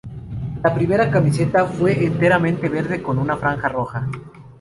La primera camiseta fue enteramente verde con una franja roja.